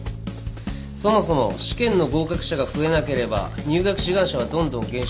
そもそも試験の合格者が増えなければ入学志願者はどんどん減少。